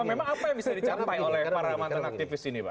memang apa yang bisa dicapai oleh para mantan aktivis ini pak